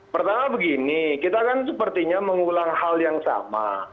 pertama begini kita kan sepertinya mengulang hal yang sama